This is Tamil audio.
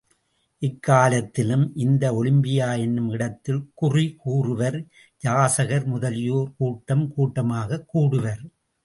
இக்காலத்திலும் இந்த ஒலிம்பியா என்னும் இடத்தில் குறி கூறுவர், யாசகர் முதலியோர் கூட்டம் கூட்டமாகக் கூடுவர்.